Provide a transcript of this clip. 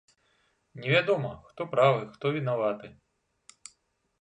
Невядома, хто правы, хто вінаваты.